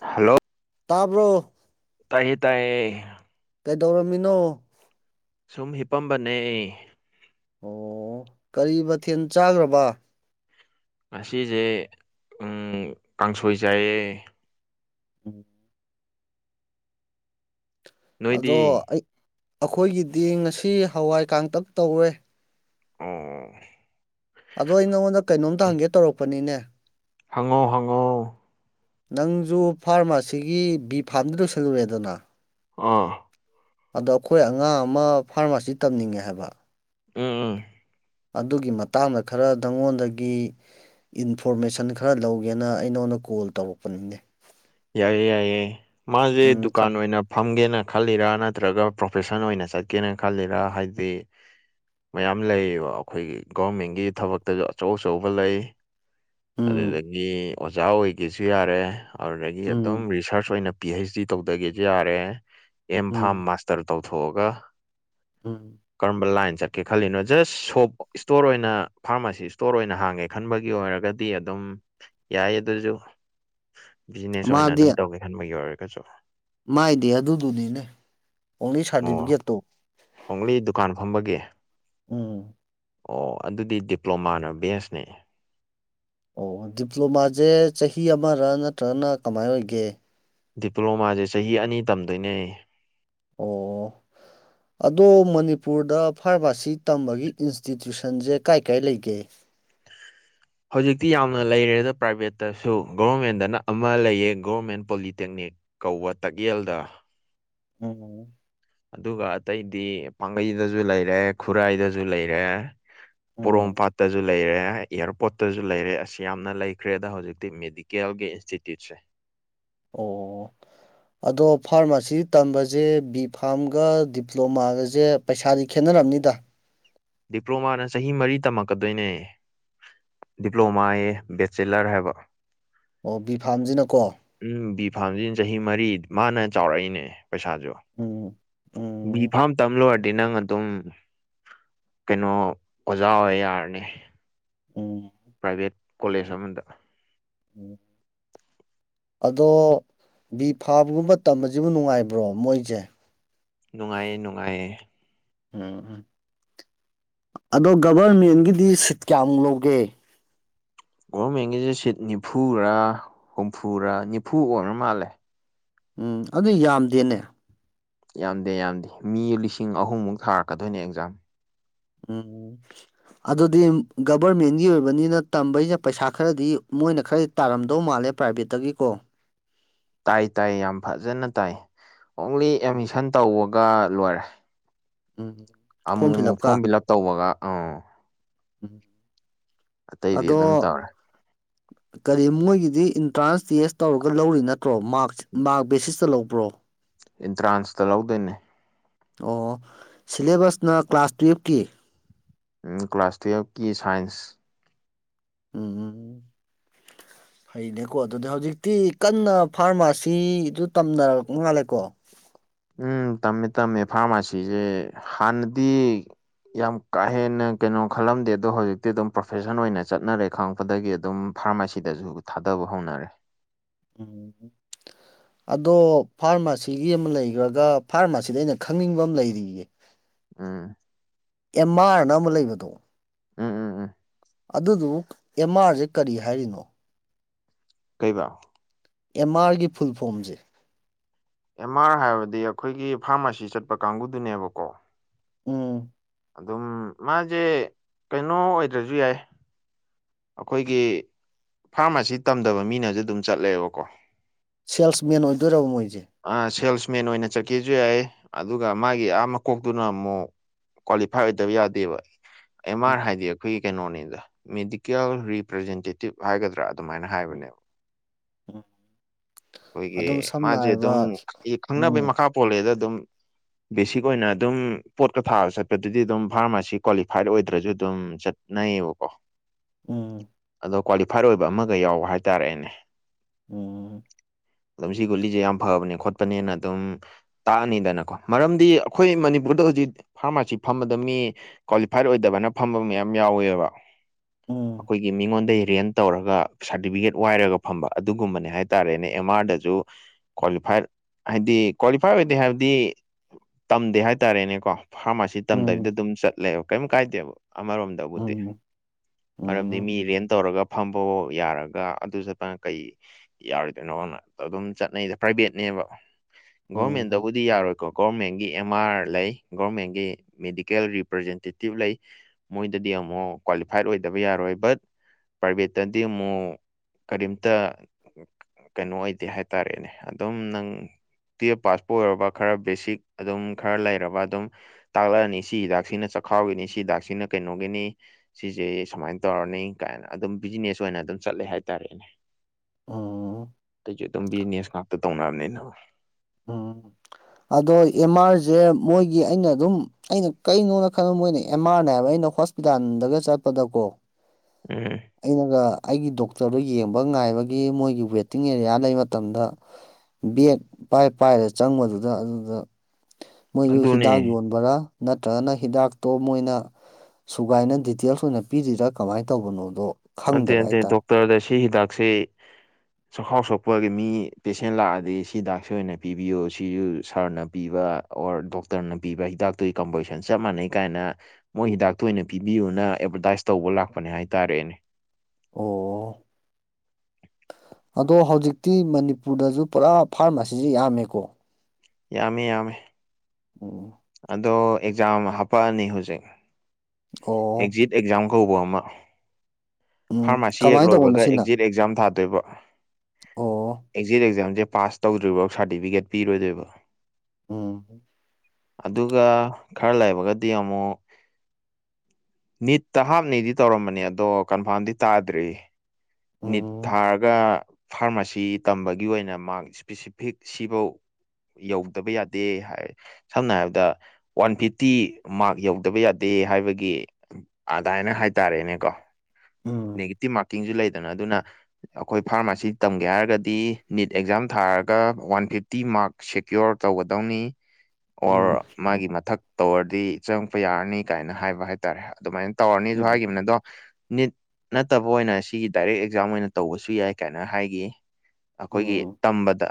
Hello ꯇꯥꯕ꯭ꯔꯣ ꯇꯥꯏꯌꯦ ꯇꯥꯏꯌꯦ ꯀꯩꯗꯧꯔꯝꯃꯤꯅꯣ ꯁꯨꯝ ꯍꯤꯄꯝꯕꯅꯦ ꯑꯣ ꯀꯔꯤ ꯃꯊꯦꯜ ꯆꯥꯈ꯭ꯔꯕ ꯉꯁꯤꯁꯦ ꯎꯝ ꯀꯥꯡꯁꯣꯏ ꯆꯥꯏꯌꯦ ꯎꯝ ꯑꯗꯣ ꯅꯣꯏꯗꯤ ꯑꯩ ꯑꯩꯈꯣꯏꯒꯤꯗꯤ ꯉꯁꯤ ꯍꯋꯥꯏ ꯀꯥꯡꯇꯛ ꯇꯧꯋꯦ ꯑꫭ ꯑꯗꯣ ꯑꯩ ꯅꯉꯣꯟꯗ ꯀꯩꯅꯣꯝꯇ ꯍꯪꯒꯦ ꯇꯧꯔꯛꯄꯅꯤꯅꯦ ꯍꯪꯉꯣ ꯍꯪꯉꯣ ꯅꯪꯁꯨ ꯐꯥꯔꯃꯥꯁꯤꯒꯤ ꯕꯤ ꯐꯥꯝꯗ ꯂꯣꯏꯁꯜꯂꯨꯔꯦꯗꯅ ꯑꯥ ꯑꯗꯣ ꯑꯩꯈꯣꯏ ꯑꯉꯥꯡ ꯑꯃ ꯐꯥꯔꯃꯥꯁꯤ ꯇꯝꯅꯤꯡꯉꯦ ꯍꯥꯏꯕ ꯎꯝ ꯎꯝ ꯑꯗꯨꯒꯤ ꯃꯇꯥꯡꯗ ꯈꯔ ꯅꯪꯉꯣꯟꯗꯒꯤ ꯏꯟꯐꯣꯔꯃꯦꯁꯟ ꯈꯔ ꯂꯧꯒꯦꯅ ꯑꯩ ꯅꯉꯣꯟꯗ ꯀꯣꯜ ꯇꯧꯔꯛꯄꯅꯤꯅꯦ ꯌꯥꯏꯌꯦ ꯌꯥꯏꯌꯦ ꯃꯥꯁꯦ ꯎꯝ ꯈ ꯗꯨꯀꯥꯟ ꯑꯣꯏꯅ ꯐꯝꯒꯦꯅ ꯈꯜꯂꯤꯔꯥ ꯅꯠꯇ꯭ꯔꯒ ꯄ꯭ꯔꯣꯐꯦꯁꯟ ꯑꯣꯏꯅ ꯆꯠꯀꯦꯅ ꯈꯜꯂꯤꯔ ꯍꯥꯏꯗꯤ ꯃꯌꯥꯝ ꯂꯩꯌꯦꯕ ꯑꯩꯈꯣꯏꯒꯤ ꯒꯣꯔꯃꯦꯟꯒꯤ ꯊꯕꯛꯇꯁꯨ ꯑꯆꯧ ꯑꯆꯧꯕ ꯂꯩ ꯎꯝ ꯑꯗꯨꯗꯒꯤ ꯑꯣꯖꯥ ꯑꯣꯏꯒꯦꯁꯨ ꯌꯥꯔꯦ ꯑꯗꯨꯗꯒꯤ ꯑꯗꯨꯝ ꯎꯝ ꯔꯤꯁꯔꯁ ꯑꯣꯏꯅ ꯄꯤ ꯍꯩ ꯗꯤ ꯇꯧꯗꯒꯦꯁꯨ ꯌꯥꯔꯦ ꯑꯦꯝ ꯐꯥꯝ ꯎꯝ ꯃꯥꯁꯇꯔ ꯇꯧꯊꯣꯛꯑꯒ ꯎꯝ ꯀꯔꯝꯕ ꯂꯥꯏꯟ ꯆꯠ ꯀꯦ ꯈꯜꯂꯤꯅꯣ ꯖꯁ ꯁꯣꯞ ꯏꯁꯇꯣꯔ ꯑꯣꯏꯅ ꯐꯥꯔꯃꯥꯁꯤ ꯏꯁꯇꯣꯔ ꯑꯣꯏꯅ ꯍꯥꯡꯒꯦ ꯈꯟꯕꯒꯤ ꯑꯣꯏꯔꯒꯗꯤ ꯑꯗꯨꯝ ꯌꯥꯏ ꯑꯗꯨꯁꯨ ꯕꯤꯖꯤꯅꯦꯁ ꯑꯣꯏꯅ ꯃꯥꯗꯤ ꯑꯗꯨꯝ ꯇꯧꯒꯦ ꯈꯟꯕꯒꯤ ꯑꯣꯏꯔꯒꯁꯨ ꯃꯥꯏꯗꯤ ꯑꯗꯨꯗꯨꯅꯤꯅꯦ ꯑꯣꯡꯂꯤ ꯑꯣ ꯁꯥꯔꯇꯤꯐꯤꯀꯦꯠꯇꯣ ꯑꯣꯡꯂꯤ ꯗꯨꯀꯥꯟ ꯐꯝꯕꯒꯤ ꯎꯝ ꯑꯣ ꯑꯗꯨꯗꯤ ꯗꯤꯄ꯭ꯂꯣꯃꯥꯅ ꯕꯦꯁꯅꯦ ꯑꯣ ꯗꯤꯄ꯭ꯂꯣꯃꯥꯁꯦ ꯆꯍꯤ ꯑꯃꯔ ꯅꯠꯇ꯭ꯔꯒꯅ ꯀꯃꯥꯏ ꯑꯣꯏꯒꯦ ꯗꯤꯄ꯭ꯂꯣꯃꯥꯁꯦ ꯆꯍꯤ ꯑꯅꯤ ꯇꯝꯗꯣꯏꯅꯦ ꯑꯩ ꯑꯣ ꯑꯗꯣ ꯃꯅꯤꯄꯨꯔꯗ ꯐꯥꯔꯃꯥꯁꯤ ꯇꯝꯕꯒꯤ ꯏꯟꯁꯇꯤꯇ꯭ꯌꯨꯁꯟꯁꯦ ꯀꯥꯏ ꯀꯥꯏ ꯂꯩꯒꯦ ꯍꯧꯖꯤꯛꯇꯤ ꯌꯥꯝꯅ ꯂꯩꯔꯦꯗ ꯄ꯭ꯔꯥꯏꯚꯦꯠꯇꯁꯨ ꯒꯣꯕꯔꯃꯦꯟꯗꯅ ꯑꯃ ꯂꯩꯌꯦ ꯒꯣꯣꯔꯃꯦꯟ ꯄꯣꯂꯤꯇꯦꯛꯅꯤꯛ ꯀꯧꯕ ꯇꯥꯛꯌꯦꯜꯗ ꯎꯝ ꯑꯗꯨꯒ ꯑꯇꯩꯗꯤ ꯄꯥꯡꯒꯩꯗꯁꯨ ꯂꯩꯔꯦ ꯈꯨꯔꯥꯏꯗꯁꯨ ꯂꯩꯔꯦ ꯎꯝ ꯄꯣꯔꯣꯝꯄꯥꯠꯇꯁꯨ ꯂꯩꯔꯦ ꯍꯥꯏ ꯏꯌꯥꯔꯄꯣꯔꯠꯇꯁꯨ ꯂꯩꯔꯦ ꯑꯁꯤꯁ ꯌꯥꯝꯅ ꯂꯩꯈ꯭ꯔꯦꯗ ꯍꯧꯖꯤꯛꯇꯤ ꯃꯦꯗꯤꯀꯦꯜꯒꯤ ꯏꯟꯁꯇꯤꯇ꯭ꯌꯨꯠꯁꯦ ꯑꯣ ꯑꯗꯣ ꯐꯥꯔꯃꯥꯁꯤ ꯇꯝꯕꯁꯦ ꯕꯤ ꯐꯥꯝꯒ ꯗꯤꯄ꯭ꯂꯣꯃꯥꯒꯁꯦ ꯄꯩꯁꯥꯗꯤ ꯈꯦꯠꯅꯔꯝꯅꯤꯗ ꯗꯤꯄ꯭ꯂꯣꯃꯥꯅ ꯆꯍꯤ ꯃꯔꯤ ꯇꯝꯃꯛꯀꯗꯣꯏꯅꯦ ꯗꯤꯄ꯭ꯂꯣꯃꯥꯑ ꯕꯦꯆꯦꯂꯔ ꯍꯥꯏꯕ ꯑꯣ ꯕꯤ ꯐꯥꯝꯁꯤꯅꯀꯣ ꯎꯝ ꯕꯤ ꯐꯥꯝꯁꯤ ꯆꯍꯤ ꯃꯔꯤ ꯃꯥꯅ ꯆꯥꯎꯔꯛꯏꯅꯦ ꯄꯩꯁꯥꯁꯨ ꯎꯝ ꯕꯤ ꯎꯝ ꯐꯥꯝ ꯇꯝ ꯂꯣꯏꯔꯗꯤ ꯅꯪ ꯑꯗꯨꯝ ꯀꯩꯅꯣ ꯑꯣꯖꯥ ꯑꯣꯏ ꯌꯥꯔꯅꯤ ꯎꯝ ꯄ꯭ꯔꯥꯏꯚꯦꯠ ꯀꯣꯂꯦꯖ ꯑꯃꯗ ꯎꯝ ꯑꯗꯣ ꯕꯤ ꯐꯥꯝꯒꯨꯝꯕ ꯇꯝꯕꯁꯤꯕꯨ ꯅꯨꯡꯉꯥꯏꯕ꯭ꯔꯣ ꯃꯣꯏꯁꯦ ꯅꯨꯡꯉꯥꯏꯌꯦ ꯅꯨꯡꯉꯥꯏꯌꯦ ꯎꯝꯝ ꯑꯗꯣ ꯒꯕꯔꯃꯦꯟꯒꯤꯗꯤ ꯁꯤꯠ ꯀꯌꯥꯃꯨꯛ ꯂꯧꯒꯦ ꯒꯣꯔꯃꯦꯟꯒꯤꯁꯦ ꯁꯤꯠ ꯅꯤꯐꯨꯔꯥ ꯍꯨꯝꯐꯨꯔꯥ ꯅꯤꯐꯨ ꯑꯣꯏ ꯃꯥꯜꯂꯦ ꯎꯝ ꯑꯗꯨ ꯌꯥꯝꯗꯦꯅꯦ ꯌꯥꯝꯗꯦ ꯌꯥꯝꯗꯦ ꯃꯤ ꯂꯤꯁꯤꯡ ꯑꯍꯨꯝꯃꯨꯛ ꯊꯥꯔꯛꯀꯗꯣꯏꯅꯦ ꯑꯦꯛꯖꯥꯝ ꯎꯝ ꯑꯗꯨꯗꯤ ꯒꯕꯔꯃꯦꯟꯒꯤ ꯑꯣꯏꯕꯅꯤꯅ ꯇꯝꯕꯩꯅ ꯄꯩꯁꯥ ꯈꯔꯗꯤ ꯃꯣꯏꯅ ꯈꯔ ꯇꯥꯔꯝꯗꯧ ꯃꯥꯜꯂꯦ ꯄ꯭ꯔꯥꯏꯕꯦꯠꯇꯒꯤꯀꯣ ꯇꯥꯏ ꯇꯥꯏ ꯌꯥꯝ ꯐꯖꯅ ꯇꯥꯏ ꯑꯣꯡꯂꯤ ꯑꯦꯠꯃꯤꯁꯟ ꯇꯧꯕꯒ ꯂꯣꯏꯔꯦ ꯎꯝ ꯍꯝ ꯑꯃꯨ ꯑꯃꯨꯛ ꯐꯣꯔꯝ ꯐꯤꯜ ꯑꯞ ꯇꯧꯕꯒ ꯑ ꯎꯝ ꯑꯇꯩꯗꯤ ꯑꯗꯨꯝ ꯑꯗꯣ ꯇꯧꯔꯦ ꯀꯔꯤ ꯃꯣꯏꯒꯤꯗꯤ ꯑꯦꯟꯇ꯭ꯔꯥꯟꯁ ꯇꯦꯁ ꯇꯧꯔꯒ ꯂꯧꯔꯤ ꯅꯠꯇ꯭ꯔꯣ ꯃꯥꯔꯛ ꯃꯥꯔꯛ ꯕꯦꯁꯤꯁꯇ ꯂꯧꯕ꯭ꯔꯣ ꯑꯦꯟꯇ꯭ꯔꯥꯟꯁꯇ ꯂꯧꯗꯣꯏꯅꯦ ꯑꯣ ꯁꯤꯂꯦꯕꯁꯅ ꯀ꯭ꯂꯥꯁ ꯇꯨꯌꯦꯜꯐꯀꯤ ꯀ꯭ꯂꯥꯁ ꯇꯨꯌꯦꯜꯞꯀꯤ ꯁꯥꯏꯟꯁ ꯎꯝ ꯎ ꯍꯩꯔꯦꯀꯣ ꯑꯗꯨꯗꯤ ꯍꯧꯖꯤꯛꯇꯤ ꯀꯟꯅ ꯐꯥꯔꯃꯥꯁꯤꯗꯨ ꯇꯝꯅꯔꯛ ꯃꯥꯜꯂꯦꯀꯣ ꯎꯝ ꯇꯝꯃꯦ ꯇꯝꯃꯦ ꯐꯥꯔꯃꯥꯁꯤꯁꯦ ꯍꯥꯟꯅꯗꯤ ꯌꯥꯝ ꯀꯥ ꯍꯦꯟꯅ ꯀꯩꯅꯣ ꯈꯜꯂꯝꯗꯦ ꯑꯗꯣ ꯍꯧꯖꯤꯛꯇꯤ ꯑꯗꯨꯝ ꯄ꯭ꯔꯣꯐꯦꯁꯟ ꯑꯣꯏꯅ ꯆꯠꯅꯔꯦ ꯈꯪꯉꯛꯄꯗꯒꯤ ꯑꯗꯨꯝ ꯐꯥꯔꯃꯥꯁꯤꯗꯁꯨ ꯊꯥꯗꯕ ꯍꯧꯅꯔꯦ ꯎꯝ ꯑꯗꯣ ꯐꯥꯔꯃꯥꯁꯤꯒꯤ ꯑꯃ ꯂꯩꯈ꯭ꯔꯒ ꯐꯥꯔꯃꯥꯁꯤꯗ ꯑꯩꯅ ꯈꯪꯅꯤꯡꯕ ꯑꯃ ꯂꯩꯔꯤꯌꯦ [unintelligible] ꯑꯝ ꯑꯃ ꯑꯔꯅ ꯑꯃ ꯂꯩꯕꯗꯣ [unintelligible] ꯑꯗꯨꯗꯨꯕꯨ ꯑꯦꯝ ꯑꯥꯔꯁꯦ ꯀꯔꯤ ꯍꯥꯏꯔꯤꯅꯣ꯫ ꯀꯩꯕ꯫ ꯑꯦꯝ ꯃꯥꯥꯔꯒꯤ ꯐꯨꯜ ꯐꯣꯝꯁꯦ꯫ ꯑꯦꯝ ꯑꯥꯔ ꯍꯥꯏꯕꯗꯤ ꯑꯩꯈꯣꯏꯒꯤ ꯐꯥꯔꯃꯥꯁꯤ ꯆꯠꯄ ꯀꯥꯡꯕꯨꯗꯨꯅꯦꯕꯀꯣ꯫ ꯎꯝ꯫ ꯑꯗꯨꯝ ꯃꯥꯁꯦ ꯀꯩꯅꯣ ꯑꯣꯏꯗ꯭ꯔꯁꯨ ꯌꯥꯏ꯫ ꯑꯩꯈꯣꯏꯒꯤ ꯐꯥꯔꯃꯥꯁꯤ ꯇꯝꯗꯕ ꯃꯤꯅꯁꯨ ꯑꯗꯨꯝ ꯆꯠꯂꯑꯦꯕꯀꯣ꯫ ꯁꯦꯜꯁꯃꯦꯟ ꯑꯣꯏꯗꯣꯏꯔꯕ ꯃꯣꯏꯁꯦ꯫ ꯁꯦꯜꯁꯃꯦꯟ ꯑꯣꯏꯅ ꯆꯠꯀꯦꯁꯨ ꯌꯥꯏ ꯑꯗꯨꯒ ꯃꯥꯒꯤ ꯑꯥ ꯃꯀꯣꯛꯇꯨꯅ ꯑꯃꯨꯛ ꯀ꯭ꯋꯥꯂꯤꯐꯥꯏ ꯑꯣꯏꯗꯕ ꯌꯥꯗꯦꯕ ꯑꯦꯝ ꯎꯝ ꯑꯥꯔ ꯍꯥꯏꯗꯤ ꯑꯩꯈꯣꯏꯒꯤ ꯀꯩꯅꯣꯅꯤꯗ ꯃꯦꯗꯤꯛ ꯀꯦꯜ ꯔꯤꯄ꯭ꯔꯖꯦꯟꯇꯦꯇꯤꯞ ꯍꯥꯏꯒꯗ꯭ꯔꯥ ꯑꯗꯨꯃꯥꯏꯅ ꯍꯥꯏꯕꯅꯦꯕ꯫ ꯎꯝ ꯑꯩꯈꯣꯏꯒꯤ ꯑꯗꯨꯝ ꯁꯝꯅ ꯃꯥꯁꯦ ꯍꯥꯏꯕ ꯑꯗꯨꯝ ꯎꯝ ꯈꯪꯅꯕꯩ ꯃꯈꯥ ꯄꯣꯜꯂꯛꯑꯦꯗ ꯑꯗꯨꯝ꯫ ꯕꯦꯁꯤꯛ ꯑꯣꯏꯅ ꯑꯗꯨꯝ ꯄꯣꯠꯀ ꯊꯥꯕ ꯆꯠꯄꯗꯨꯗꯤ ꯑꯗꯨꯝ ꯐꯥꯔꯃꯥꯁꯤ ꯀ꯭ꯋꯥꯂꯤꯐꯥꯏꯠ ꯑꯣꯏꯗ꯭ꯔꯁꯨ ꯑꯗꯨꯝ ꯆꯠ ꯅꯩꯕꯀꯣ ꯎꯝ꯫ ꯑꯗꯣ ꯀ꯭ꯋꯥꯂꯤꯐꯥꯏꯠ ꯑꯣꯏꯕ ꯑꯃꯒ ꯌꯥꯎꯕ ꯍꯥꯏꯇꯥꯔꯦꯅꯦ꯫ ꯎꯝ꯫ ꯑꯗꯨꯝ ꯁꯤ ꯒꯨꯂꯤꯁꯦ ꯌꯥꯝ ꯐꯕꯅꯦ ꯈꯣꯠꯄꯅꯦꯅ ꯑꯗꯨꯝ ꯇꯥꯛꯑꯅꯤꯗꯅꯀꯣ ꯃꯔꯝꯗꯤ ꯑꯩꯈꯣꯏ ꯃꯅꯤꯄꯨꯔꯗ ꯍꯧꯖꯤꯛ ꯐꯥꯔꯃꯥꯁꯤ ꯐꯝꯕꯗ ꯃꯤ ꯀ꯭ꯋꯥꯂꯤꯐꯥꯏꯠ ꯑꯣꯏꯗꯕꯅ ꯐꯝꯕ ꯃꯌꯥꯝ ꯌꯥꯎꯋꯦꯕ꯫ ꯎꯝ ꯑꯩꯈꯣꯏꯒꯤ ꯃꯤꯉꯣꯟꯗ ꯏꯔꯦꯟ ꯇꯧꯔꯒ ꯁꯥꯔꯇꯤꯐꯤꯀꯦꯠ ꯋꯥꯏꯔꯒ ꯐꯝꯕ ꯑꯗꯨꯒꯨꯝꯕꯅꯦ ꯍꯥꯏ ꯇꯔꯦꯅꯦ ꯑꯦꯝ ꯑꯥꯔꯗꯁꯨ ꯀ꯭ꯋꯥꯂꯤꯐꯥꯏꯠ ꯍꯥꯏꯗꯤ ꯀ꯭ꯋꯥꯂꯤꯐꯥꯏ ꯑꯣꯏꯗꯦ ꯍꯥꯏꯕꯗꯤ ꯇꯝꯗꯦ ꯍꯥꯏꯇꯥꯔꯦꯅꯦꯀꯣ꯫ ꯐꯥꯔꯃꯥꯁꯤ ꯇꯝꯗꯕꯤꯗ ꯎꯝ ꯑꯗꯨꯝ ꯆꯠꯂꯦꯕ ꯀꯩꯝ ꯀꯥꯏꯗꯦꯕ ꯎꯝ ꯑꯃꯔꯣꯝꯗꯕꯨꯗꯤ꯫ ꯎꯝ ꯃꯔꯝꯗꯤ ꯃꯤ ꯔꯦꯟ ꯇꯧꯔꯒ ꯐꯝꯕꯕꯧ ꯌꯥꯔꯒ ꯑꯗꯨ ꯆꯠꯄꯅ ꯀꯩ ꯌꯥꯎꯔꯤꯗꯣꯏꯅꯣꯅ ꯑꯗꯨꯝ ꯆꯠꯅꯩꯗ ꯄ꯭ꯔꯥꯏꯚꯦꯠꯅꯦꯕ꯫ ꯎꯝ ꯒꯣꯔꯃꯦꯟꯗꯕꯨꯗꯤ ꯌꯥꯔꯣꯏꯀꯣ ꯒꯣꯔꯃꯦꯟꯒꯤ ꯑꯦꯝ ꯑꯥꯔ ꯂꯩ ꯒꯣꯔꯃꯦꯟꯒꯤ ꯃꯦꯗꯤꯀꯦꯜ ꯔꯤꯄ꯭ꯔꯖꯦꯟꯇꯦꯇꯤꯞ ꯂꯩ ꯃꯣꯏꯗꯗꯤ ꯑꯃꯨꯛ ꯀ꯭ꯋꯥꯂꯤ ꯐꯥꯏꯠ ꯑꯣꯏꯗꯕ ꯌꯥꯔꯣꯏ ꯕꯠ ꯄ꯭ꯔꯥꯏꯚꯦꯠꯇꯗꯤ ꯑꯃꯨꯛ ꯀꯔꯤꯝꯇ ꯀꯩꯅꯣ ꯑꯣꯏꯗꯦ ꯍꯥꯏꯇꯥꯔꯦꯅꯦ ꯑꯗꯨꯝ ꯅꯪ ꯇꯨꯌꯦꯞ ꯄꯥꯁꯄꯨ ꯑꯣꯏꯔꯕ ꯈꯔ ꯕꯦꯁꯤꯛ ꯑꯗꯨꯝ ꯈꯔ ꯂꯩꯔꯕ ꯑꯗꯨꯝ ꯇꯥꯛꯂꯛꯑꯅꯤ ꯁꯤ ꯍꯤꯗꯥꯛꯁꯤꯅ ꯆꯥꯛꯈꯥꯎꯒꯤꯅꯤ ꯁꯤ ꯍꯤꯗꯥꯛꯁꯤꯅ ꯀꯩꯅꯣꯒꯤꯅꯤ꯫ ꯁꯤꯁꯦ ꯁꯨꯃꯥꯏꯅ ꯇꯧꯔꯅꯤ ꯀꯥꯏꯅ ꯑꯗꯨꯝ ꯕꯤꯖꯤꯅꯦꯁ ꯑꯣꯏꯅ ꯑꯗꯨꯝ ꯆꯠꯂꯦ ꯍꯥꯏ ꯇꯥꯔꯦꯅꯦ꯫ ꯎꯝ꯫ ꯖꯤ ꯑꯗꯨꯝ ꯕꯤꯖꯤꯅꯦꯁ ꯉꯥꯛꯇ ꯇꯧꯅꯕꯅꯤꯅ꯫ ꯎꯝ ꯑꯗꯣ ꯑꯦꯝ ꯑꯥꯔꯁꯦ ꯃꯣꯏꯒꯤ ꯑꯩꯅ ꯑꯗꯨꯝ ꯑꯩꯅ ꯀꯩꯅꯣꯅ ꯈꯜ ꯃꯣꯏꯅ ꯑꯦꯝ ꯑꯥꯔꯅꯦ ꯍꯥꯏꯕ ꯑꯩꯅ ꯍꯣꯁꯄꯤꯇꯥꯟꯗꯒ ꯆꯠꯄꯗꯀꯣ ꯑꯩꯅꯒ ꯑꯩꯒꯤ ꯗꯣꯛꯇꯔꯗꯨ ꯌꯦꯡꯕ ꯉꯥꯏꯕꯒꯤ ꯃꯣꯏꯒꯤ ꯋꯦꯇꯤꯡ ꯑꯦꯔꯤꯌꯥ ꯂꯩꯕ ꯃꯇꯝꯗ ꯕꯦꯠ ꯄꯥꯏ ꯄꯥꯏꯔ ꯆꯪꯕꯗꯨꯗ ꯑꯗꯨꯗ ꯃꯣꯏꯁꯨ ꯑꯗꯨꯅꯦ ꯍꯤꯗꯥꯛ ꯌꯣꯟꯕꯔꯥ ꯅꯠꯇ꯭ꯔꯒꯅ ꯍꯤꯗꯥꯛꯇꯣ ꯃꯣꯏꯅ ꯁꯨꯒꯥꯏꯅ ꯗꯤꯇꯦꯜꯁ ꯑꯣꯏꯅ ꯄꯤꯔꯤꯔ ꯀꯃꯥꯏꯅ ꯇꯧꯕꯅꯣꯗꯣ ꯈꯪꯗꯕ ꯅꯠꯇꯦ-ꯅꯠꯇꯦ ꯍꯥꯏꯇꯥꯔꯦ ꯗꯣꯛꯇꯔꯗ ꯁꯤ ꯍꯤꯗꯥꯛꯁꯤ ꯆꯈꯥꯎ ꯁꯣꯛꯄꯒꯤ ꯃꯤ ꯄꯦꯁꯦꯟ ꯂꯥꯛꯑꯗꯤ ꯁꯤ ꯗꯥꯛꯁꯔ ꯑꯣꯏꯅ ꯄꯤꯕꯤꯌꯣ ꯁꯤꯁꯨ ꯁꯥꯔꯅ ꯄꯤꯕ ꯑꯣꯔ ꯗꯣꯛꯇꯔꯅ ꯄꯤꯕ ꯍꯤꯗꯥꯛꯇꯨꯒꯤ ꯀꯝꯄꯣꯖꯤꯁꯟ ꯆꯞ ꯃꯥꯟꯅꯩ ꯀꯥꯏꯅ ꯃꯣꯏ ꯍꯤꯗꯥꯛꯇ ꯑꯣꯏꯅ ꯄꯤꯕꯤꯌꯨꯅ ꯑꯦꯗꯚꯔꯗꯥꯏꯁ ꯇꯧꯕ ꯂꯥꯛꯄꯅꯦ ꯍꯥꯏꯇꯥꯔꯦꯅꯦ꯫ ꯑꯣ꯫ ꯑꯗꯣ ꯍꯧꯖꯤꯛꯇꯤ ꯃꯅꯤꯄꯨꯔꯗꯁꯨ ꯄꯨꯔꯥ ꯐꯥꯔꯃꯥꯁꯤꯁꯦ ꯌꯥꯝꯃꯦꯀꯣ꯫ ꯌꯥꯝꯃꯤ-ꯌꯥꯝꯃꯤ꯫ ꯑꯣ ꯑꯗꯣ ꯑꯦꯛꯖꯥꯝ ꯍꯥꯄꯛꯑꯅꯤ ꯍꯧꯖꯤꯛ ꯑꯣ ꯑꯦꯛꯖꯤꯠ ꯑꯦꯛꯖꯥꯝ ꯀꯧꯕ ꯑꯃ ꯎꯝ ꯐꯥꯔꯃꯥꯁꯤ ꯍꯦꯛ ꯀꯃꯥꯏꯅ ꯇꯧꯕꯅꯣ ꯂꯣꯏꯕꯒ ꯁꯤꯅ ꯑꯦꯛꯖꯤꯠ ꯑꯦꯛꯖꯥꯝ ꯊꯥꯗꯣꯏꯕ ꯑꯣ ꯑꯦꯛꯠ ꯑꯦꯛꯖꯥꯝꯁꯦ ꯄꯥꯁ ꯇꯧꯗ꯭ꯔꯤꯕꯥꯎ ꯁꯥꯔꯇꯤꯐꯤꯀꯦꯠ ꯄꯤꯔꯣꯏꯗꯣꯏꯕ ꯑꯣ ꯑꯗꯨꯒ ꯈꯔ ꯂꯩꯕꯒꯗꯤ ꯑꯃꯨꯛ ꯅꯤꯠꯇ ꯍꯥꯞꯅꯤꯩꯗꯤ ꯇꯧꯔꯝꯕꯅꯦ ꯑꯗꯣ ꯀꯟꯐꯥꯔꯝꯗꯤ ꯇꯥꯗ꯭ꯔꯤ ꯅꯤꯠ ꯎꯝ ꯊꯥꯔꯒ ꯐꯥꯔꯃꯥꯁꯤ ꯇꯝꯕꯒꯤ ꯑꯣꯏꯅ ꯃꯥ ꯏꯁꯄꯦꯁꯤꯐꯤꯛ ꯁꯤꯐꯧ ꯌꯧꯗꯕ ꯌꯥꯗꯦ ꯍꯥꯏ ꯁꯝꯅ ꯍꯥꯏꯔꯕꯗ ꯋꯥꯟ ꯐꯤꯐꯇꯤ ꯃꯥꯔꯛ ꯌꯧꯗꯕ ꯌꯥꯗꯦ ꯍꯥꯏꯕꯒꯤ ꯑꯗꯥꯅ ꯍꯥꯏꯇꯥꯔꯦꯅꯦꯀꯣ ꯎꯝ ꯅꯦꯒꯦꯇꯤꯞ ꯃꯥꯔꯀꯤꯡꯁꯨ ꯂꯩꯗꯅ ꯑꯗꯨꯅ ꯑꯩꯈꯣꯏ ꯐꯥꯔꯃꯥꯁꯤ ꯇꯝꯒꯦ ꯍꯥꯏꯔꯒꯗꯤ ꯅꯤꯠ ꯑꯦꯛꯖꯥꯝ ꯊꯥꯔꯒ ꯋꯥꯟ ꯐꯤꯐꯇꯤ ꯃꯥꯔꯛ ꯁꯦꯀ꯭ꯌꯣꯔ ꯇꯧꯒꯗꯧꯅꯤ ꯑꯣꯔ ꯎꯝ ꯃꯥꯒꯤ ꯃꯊꯛ ꯇꯧꯔꯗꯤ ꯆꯪꯉꯛꯄ ꯌꯥꯔꯅꯤ ꯀꯥꯏꯅ ꯍꯥꯏꯕ ꯍꯥꯏꯇꯥꯔꯦ ꯑꯗꯨꯃꯥꯏꯅ ꯇꯧꯔꯅꯤꯁꯨ ꯎꯝ ꯍꯥꯏꯈꯤꯕꯅꯤ ꯑꯗꯣ ꯅꯤꯠ ꯅꯠꯇꯕ ꯑꯣꯏꯅ ꯁꯤꯒꯤ ꯗꯥꯏꯔꯦꯛ ꯑꯦꯛꯖꯥꯝ ꯑꯣꯏꯅ ꯇꯧꯕꯁꯨ ꯌꯥꯏ ꯀꯥꯏꯅ ꯍꯥꯏꯈꯤ ꯑꯩꯈꯣꯏꯒꯤ ꯎꯝ ꯇꯝꯕꯗ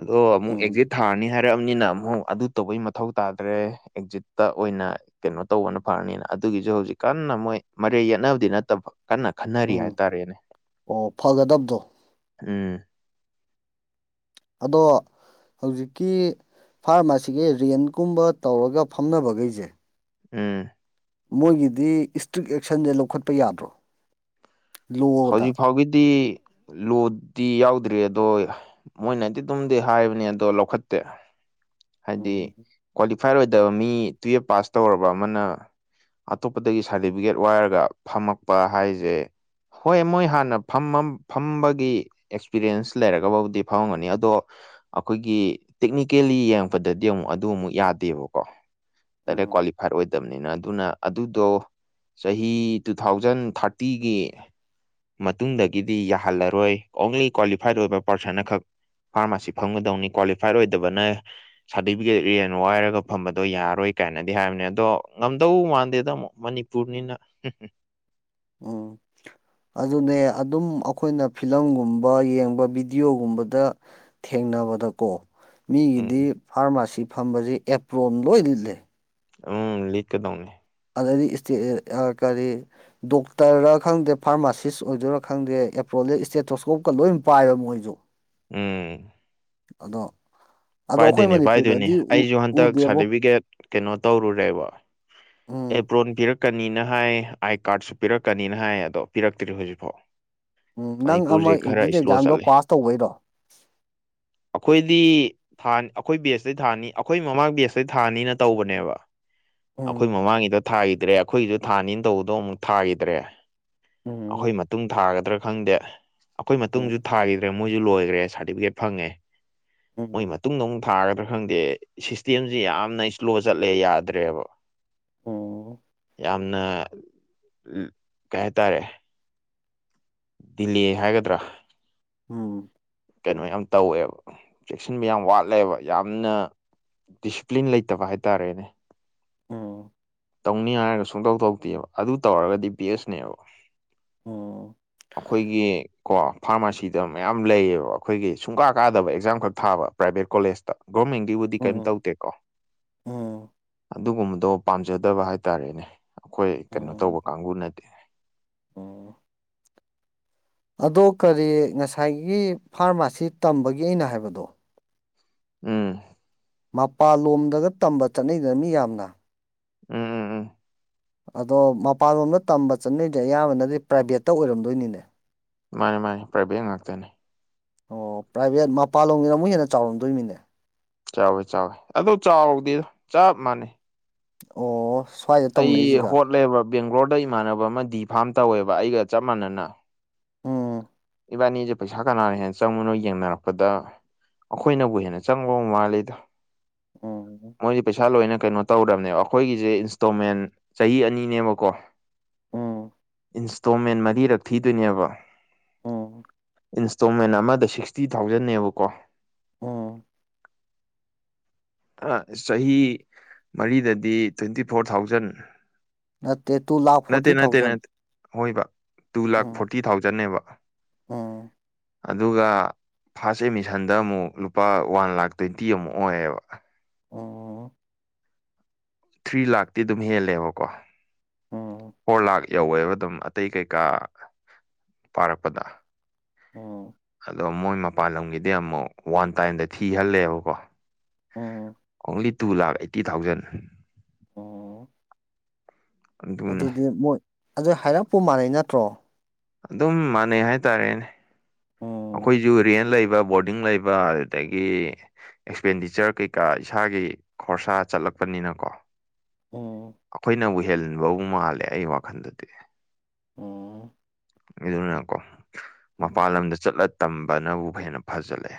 ꯑꯗꯣ ꯑꯃꯨꯛ ꯎꯝ ꯑꯦꯛꯖꯤꯠ ꯊꯥꯔꯅꯤ ꯍꯥꯏ ꯂꯩꯕꯅꯤꯅ ꯑꯃꯨꯛ ꯑꯗꯨ ꯇꯧꯕꯩ ꯃꯊꯧ ꯇꯥꯗ꯭ꯔꯦ ꯑꯦꯛꯖꯤꯠꯇ ꯑꯣꯏꯅ ꯀꯩꯅꯣ ꯇꯧꯕꯅ ꯐꯔꯅꯤꯅ ꯑꯗꯨꯒꯤꯁꯨ ꯍꯧꯖꯤꯛ ꯀꯟꯅ ꯃꯣꯏ ꯃꯔꯦ ꯌꯦꯠꯅꯕꯗꯤ ꯅꯠꯇꯕ ꯀꯟꯅ ꯈꯟꯅꯔꯤ ꯎꯝ ꯍꯥꯏꯇꯥꯔꯦꯅꯦ ꯑꯣ ꯐꯒꯗꯕꯗꯣ ꯎꯝ ꯑꯗꯣ ꯍꯧꯖꯤꯛꯀꯤ ꯐꯥꯔꯃꯥꯁꯤꯒ ꯔꯦꯟꯀꯨꯝꯕ ꯇꯧꯔꯒ ꯐꯝꯅꯕꯈꯩꯁꯦ ꯎꯝ ꯃꯣꯏꯒꯤꯗꯤ ꯏꯁꯇ꯭ꯔꯤꯛ ꯑꯦꯛꯁꯟꯁꯦ ꯂꯧꯈꯠꯄ ꯌꯥꯗ꯭ꯔꯣ ꯍꯧꯖꯤꯛ ꯂꯣꯗ ꯐꯥꯎꯒꯤꯗꯤ ꯂꯣꯗꯤ ꯌꯥꯎꯗ꯭ꯔꯤ ꯑꯗꯣ ꯃꯣꯏꯅꯗꯤ ꯑꯗꯨꯝꯗꯤ ꯍꯥꯏꯕꯅꯦ ꯑꯗꯣ ꯂꯧꯈꯠꯇꯦ ꯍꯥꯏꯗꯤ ꯎꯝ ꯑꯦꯐꯥꯏꯔ ꯑꯣꯏꯗꯕ ꯃꯤ ꯇꯨꯌꯦꯞ ꯄꯥꯁ ꯇꯧꯔꯕ ꯑꯃꯅ ꯑꯇꯣꯞꯄꯗꯒꯤ ꯁꯥꯔꯇꯤꯐꯤꯀꯦꯠ ꯋꯥꯏꯔꯒ ꯐꯝꯃꯛꯄ ꯍꯥꯏꯁꯦ ꯍꯣꯏ ꯃꯣꯏ ꯍꯥꯟꯅ ꯐ ꯐꯝꯕꯒꯤ ꯑꯦꯛꯁꯄꯤꯔꯤꯌꯦꯟꯁ ꯂꯩꯔꯒꯕꯨꯗꯤ ꯐꯪꯔꯝꯒꯅꯤ ꯑꯗꯣ ꯑꯩꯈꯣꯏꯒꯤ ꯇꯦꯛꯅꯤꯀꯦꯜꯂꯤ ꯌꯦꯡꯉꯛꯄꯗꯗꯤ ꯑꯃꯨꯛ ꯑꯗꯨ ꯑꯃꯨꯛ ꯌꯥꯗꯦꯕꯀꯣ ꯇꯦ ꯎꯝ ꯀ꯭ꯋꯥꯂꯤꯐꯥꯏꯔ ꯑꯣꯏꯗꯕꯅꯤ ꯅ ꯑꯗꯨꯅ ꯑꯗꯨꯗꯣ ꯆꯍꯤ ꯇꯨ ꯊꯥꯎꯖꯟ ꯊꯥꯔꯇꯤꯒꯤ ꯃꯇꯨꯡꯗꯒꯤꯗꯤ ꯌꯥꯍꯜꯂꯔꯣꯏ ꯑꯣꯡꯂꯤ ꯀ꯭ꯋꯥꯂꯤꯐꯥꯏꯠ ꯑꯣꯏꯕ ꯄꯥꯔꯁꯟꯈꯛ ꯐꯥꯔꯃꯥꯁꯤ ꯐꯪꯒꯗꯧꯅꯤ ꯀ꯭ꯋꯥꯂꯤꯐꯥꯏꯠ ꯑꯣꯏꯗꯕꯅ ꯁꯥꯔꯇꯤꯐꯤꯀꯦꯠ ꯔꯤꯌꯥꯟ ꯋꯥꯏꯔꯒ ꯐꯝꯕꯗꯣ ꯌꯥꯔꯣꯏ ꯀꯥꯏꯅꯗꯤ ꯍꯥꯏꯕꯅꯦ ꯑꯗꯣ ꯉꯝꯗꯧ ꯃꯥꯟꯗꯦꯗ ꯑꯃꯨꯛꯅꯤ ꯄꯨꯔꯅꯤꯅ ꯎꯝ ꯑꯗꯨꯅꯦ ꯑꯗꯨꯝ ꯑꯩꯈꯣꯏꯅ ꯐꯤꯂꯝꯒꯨꯝꯕ ꯌꯦꯡꯕ ꯕꯤꯗꯤꯌꯑꯣꯒꯨꯝꯕꯗ ꯊꯦꯡꯅꯕꯗꯀꯣ ꯃꯤꯒꯤꯗꯤ ꯎꯝ ꯐꯥꯔꯃꯥꯁꯤ ꯐꯝꯕꯁꯤ ꯑꯦꯄ꯭ꯔꯣꯝ ꯂꯣꯏ ꯂꯤꯠꯂ ꯎꯝ ꯂꯤꯛꯀꯗꯧꯅꯦ ꯑꯗꯩꯗꯤ ꯏꯁꯇꯦ ꯑꯥ ꯀꯔꯤ ꯗꯣꯛꯇꯔ ꯈꯪꯗꯦ ꯐꯥꯔꯃꯥꯁꯤꯁ ꯑꯣꯏꯗꯣꯏꯔꯥ ꯈꯪꯗꯦ ꯑꯦꯄ꯭ꯔꯣꯜ ꯂꯤꯠ ꯏꯁꯇꯦꯇ꯭ꯔꯣꯁꯀꯣꯞꯀ ꯂꯣꯏ ꯄꯥꯏꯕ ꯃꯣꯏꯁꯨ ꯎꯝ ꯑꯗꯣ ꯑꯗꯣ ꯑꯩꯈꯣꯏ ꯄꯥꯏꯗꯣꯏꯅꯦ ꯄꯥꯏꯗꯣꯏꯅꯤ ꯃꯅꯤꯄꯨꯔꯗꯗꯤ ꯑꯩꯁꯨ ꯍꯟꯗꯛ ꯎꯗꯦꯕꯣ ꯁꯥꯔꯇꯤꯐꯤꯀꯦꯠ ꯀꯩꯅꯣ ꯇꯧꯔꯨꯔꯦꯕ ꯎꯝ ꯑꯦꯄ꯭ꯔꯣꯟ ꯄꯤꯔꯛ ꯛꯀꯅꯤꯅ ꯍꯥꯏ ꯑꯥꯏ ꯀꯥꯔꯠꯁꯨ ꯄꯤꯔꯛꯀꯅꯤꯅ ꯍꯥꯏ ꯑꯗꯣ ꯄꯤꯔꯛꯇ꯭ꯔꯤ ꯍꯧꯖꯤꯛꯐꯥꯎ ꯎꯝ ꯅꯪ ꯑꯃ ꯃꯅꯤꯄꯨꯔꯁꯦ ꯈꯔ ꯑꯦꯛꯖꯤꯠ ꯏꯁꯂꯣ ꯑꯦꯛꯖꯥꯝꯗꯣ ꯆꯠꯂꯦ ꯄꯥꯁ ꯇꯧꯕꯩꯔꯣ ꯑꯩꯈꯣꯏꯗꯤ ꯊꯥꯅꯤ ꯑꯩꯈꯣꯏ ꯕꯦꯁꯇꯩ ꯊꯥꯅꯤ ꯑꯩꯈꯣꯏ ꯃꯃꯥꯡ ꯕꯦꯁꯇꯩ ꯊꯥꯅꯤꯅ ꯇꯧꯕꯅꯦꯕ ꯑꯩꯈꯣꯏ ꯎꯝ ꯃꯃꯥꯡꯒꯤꯗ ꯊꯥꯈꯤꯗ꯭ꯔꯦ ꯑꯩꯈꯣꯏꯒꯤꯗ ꯊꯥꯅꯤꯅ ꯇꯧꯕꯗꯣ ꯑꯃꯨꯛ ꯊꯥꯈꯤꯗ꯭ꯔꯦ ꯑꯩꯈꯣꯏ ꯎꯝ ꯃꯇꯨꯡ ꯊꯥꯒꯗ꯭ꯔꯥ ꯈꯪꯗꯦ ꯑꯩꯈꯣꯏ ꯎꯝ ꯃꯇꯨꯡꯁꯨ ꯊꯥꯈꯤꯗ꯭ꯔꯦ ꯃꯣꯏꯁꯨ ꯂꯣꯏꯒ꯭ꯔꯦ ꯁꯥꯔꯇꯤꯐꯤꯀꯦꯠ ꯐꯪꯉꯦ ꯃꯣꯏ ꯎꯝ ꯃꯇꯨꯡꯗꯃꯨꯛ ꯊꯥꯒꯗ꯭ꯔꯥ ꯈꯪꯗꯦ ꯁꯤꯁꯇꯦꯝꯁꯤ ꯌꯥꯝꯅ ꯏꯁꯂꯣ ꯆꯠꯂꯦ ꯌꯥꯗ꯭ꯔꯦꯕ ꯑꯣ ꯌꯥꯝꯅ ꯀꯩꯍꯥꯏꯇꯥꯔꯦ ꯗꯤꯂꯦ ꯍꯥꯏꯒꯗ꯭ꯔꯥ ꯎꯝ ꯀꯩꯅꯣ ꯌꯥꯝ ꯇꯧꯋꯦꯕ ꯆꯦꯛꯁꯤꯟꯕ ꯌꯥꯝ ꯋꯥꯠꯂꯦꯕ ꯌꯥꯝꯅ ꯗꯤꯁꯤꯄ꯭ꯂꯤꯟ ꯂꯩꯇꯕ ꯍꯥꯏꯇꯥꯔꯦꯅꯦ ꯎꯝ ꯇꯧꯅꯤ ꯍꯥꯏꯔꯒ ꯁꯨꯡꯇꯧ ꯇꯧꯇꯦꯕ ꯑꯗꯨ ꯇꯧꯔꯒꯗꯤ ꯕꯦꯁꯅꯦꯕ ꯎꯝ ꯑꯈꯣꯏꯒꯤ ꯀꯣ ꯐꯥꯔꯃꯥꯁꯤꯗ ꯃꯌꯥꯝ ꯂꯩꯌꯦꯕ ꯑꯩꯈꯣꯏꯒꯤ ꯁꯨꯡꯀꯥ ꯀꯥꯗꯕ ꯑꯦꯛꯖꯥꯝꯈꯛ ꯊꯥꯕ ꯄ꯭ꯔꯥꯏꯚꯦꯠ ꯀꯣꯂꯦꯖꯇ ꯒꯣꯔꯃꯦꯟꯒꯤꯕꯨꯗꯤ ꯀꯩꯝ ꯎꯝ ꯇꯧꯗꯦꯀꯣ ꯎꯝ ꯑꯗꯨꯒꯨꯝꯕꯗꯣ ꯄꯥꯝꯖ ꯐꯖꯗꯕ ꯍꯥꯏꯇꯥꯔꯦꯅꯦ ꯑꯩꯈꯣꯏ ꯀꯩꯅꯣ ꯇꯧꯕ ꯀꯥꯡꯕꯨꯅ ꯑꯣ ꯑꯗꯣ ꯀꯔꯤ ꯉꯁꯥꯏꯒꯤ ꯐꯥꯔꯃꯥꯁꯤ ꯇꯝꯕꯒꯤ ꯑꯩꯅ ꯍꯥꯏꯕꯗꯣ ꯎꯝ ꯃꯄꯥꯟꯂꯣꯝꯗꯒ ꯇꯝꯕ ꯆꯠꯅꯩꯗꯅ ꯃꯤ ꯌꯥꯝꯅ ꯎꯝ ꯎꯝ ꯎꯝ ꯑꯗꯣ ꯃꯄꯥꯟꯂꯣꯝꯗ ꯇꯝꯕ ꯆꯠꯅꯩꯁꯦ ꯑꯌꯥꯝꯕꯅꯗꯤ ꯄ꯭ꯔꯥꯏꯚꯦꯠꯇ ꯑꯣꯏꯔꯝꯗꯣꯏꯅꯤꯅꯦ ꯃꯥꯅꯦ ꯃꯥꯅꯦ ꯄ꯭ꯔꯥꯏꯚꯦꯠ ꯉꯥꯛꯇꯅꯤ ꯑꯣ ꯄ꯭ꯔꯥꯏꯚꯦꯠ ꯃꯄꯥꯟ ꯂꯣꯝꯒꯤꯅ ꯑꯃꯨꯛ ꯍꯦꯟꯅ ꯆꯥꯎꯔꯝꯗꯣꯏꯅꯤꯅꯦ ꯆꯥꯎꯋꯦ ꯆꯥꯎꯋꯦ ꯑꯗꯣ ꯆꯥꯎꯗꯦꯗ ꯆꯞ ꯃꯥꯟꯅꯩ ꯑꯣ ꯁ꯭ꯋꯥꯏꯗ ꯑꯩ ꯇꯧꯅꯩꯁꯤꯒ ꯍꯣꯠꯂꯦꯕ ꯕꯦꯡꯒ꯭ꯂꯣꯔꯗ ꯏꯃꯥꯟꯅꯕ ꯑꯃ ꯗꯤ ꯐꯥꯝ ꯇꯧꯋꯦꯕ ꯑꯩꯒ ꯆꯞ ꯃꯥꯟꯅꯅ ꯑꯣ ꯏꯕꯥꯅꯤꯁꯦ ꯄꯩꯁꯥ ꯀꯅꯥꯅ ꯍꯦꯟꯅ ꯆꯪꯕꯅꯣ ꯌꯦꯡꯅꯔꯛꯄꯗ ꯑꯩꯈꯣꯏꯅꯕꯨ ꯍꯦꯟꯅ ꯆꯪꯕ ꯃꯥꯜꯂꯤꯗ ꯎꯝ ꯃꯣꯏꯁꯦ ꯄꯩꯁꯥ ꯂꯣꯏꯅ ꯀꯩꯅꯣ ꯇꯧꯔꯕꯅꯦꯕ ꯑꯩꯈꯣꯏꯒꯤꯁꯦ ꯏꯟꯁꯇꯣꯜꯃꯦꯟ ꯆꯍꯤ ꯑꯅꯤꯅꯦꯕꯀꯣ ꯎꯝ ꯏꯟꯁꯇꯣꯜꯃꯦꯟ ꯃꯔꯤꯔꯛ ꯊꯤꯗꯣꯏꯅꯦꯕ ꯎꯝ ꯏꯟꯁ ꯏꯟꯁꯇꯣꯜꯃꯦꯟ ꯑꯃꯗ ꯁꯤꯛꯁꯇꯤ ꯊꯥꯎꯖꯟꯅꯦꯕꯀꯣ ꯎꯝ ꯈꯔꯥ ꯆꯍꯤ ꯃꯔꯤꯗꯗꯤ ꯇ꯭ꯋꯦꯟꯇꯤꯐꯣꯔ ꯊꯥꯎꯖꯟ ꯅꯠꯇꯦ ꯇꯨꯂꯥꯈ ꯐꯣꯔꯇꯤ ꯊꯥꯎꯖꯟ ꯍꯣꯏꯕ ꯇꯨ ꯂꯥꯛꯈ ꯐꯣꯔꯇꯤ ꯊꯥꯎꯖꯟꯅꯦꯕ ꯑꯝ ꯑꯗꯨꯒ ꯐꯥꯁ ꯑꯦꯃꯤꯁꯟꯗ ꯑꯃꯨꯛ ꯂꯨꯄꯥ ꯋꯥꯟ ꯂꯥꯛ ꯇ꯭ꯋꯦꯟꯇꯤ ꯑꯃꯨꯛ ꯑꯣꯏꯌꯦꯕ ꯑꯣ ꯑꯣ ꯊ꯭ꯔꯤ ꯂꯥꯛꯇꯤ ꯑꯗꯨꯝ ꯍꯦꯜꯂꯦꯕꯀꯣ ꯎꯝ ꯐꯣꯔ ꯂꯥꯛ ꯌꯧꯋꯦꯕ ꯑꯗꯨꯝ ꯑꯇꯩ ꯀꯩꯀꯥ ꯄꯥꯔꯛꯄꯗ ꯎꯝ ꯑꯗꯣ ꯃꯣꯏ ꯃꯄꯥꯟ ꯂꯝꯒꯤꯗꯤ ꯑꯃꯨꯛ ꯋꯥꯟ ꯇꯥꯏꯝꯗ ꯊꯤꯍꯜꯂꯦꯕꯀꯣ ꯎꯝ ꯑꯣꯡꯂꯤ ꯇꯨ ꯂꯥ ꯑꯩꯠꯇꯤ ꯊꯥꯎꯖꯟ ꯑꯣ ꯑꯗꯨꯅꯦ ꯑꯗꯨꯗꯤ ꯃꯣꯏ ꯑꯗꯨ ꯍꯥꯏꯔꯛꯄ ꯃꯥꯥꯟꯅꯩ ꯅꯠꯇ꯭ꯔꯣ ꯑꯗꯨꯝ ꯃꯥꯟꯅꯩ ꯍꯥꯏꯇꯥꯔꯦꯅꯦ ꯎꯝ ꯑꯩꯈꯣꯏꯁꯨ ꯔꯦꯟ ꯂꯩꯕ ꯕꯣꯔꯗꯤꯡ ꯂꯩꯕ ꯑ ꯑꯗꯨꯗꯒꯤ ꯑꯦꯛꯁꯄꯦꯟꯗꯤꯆꯔ ꯀꯩꯀꯥ ꯏꯁꯥꯒꯤ ꯈꯣꯔꯁꯥ ꯆꯠꯂꯛꯄꯅꯤꯅ ꯀꯣ ꯎꯝ ꯑꯩꯈꯣꯏꯅ ꯎꯍꯟꯕꯕꯨ ꯃꯥꯜꯂꯦ ꯑꯩꯒꯤ ꯋꯥꯈꯟꯗꯗꯤ ꯎꯝ ꯑꯗꯨꯅꯀꯣ ꯎꯝ ꯃꯄꯥꯟ ꯂꯝꯗ ꯆꯠꯂ ꯇꯝꯕꯅꯕꯨ ꯍꯦꯟꯅ ꯐꯖꯜꯂꯛꯑꯦ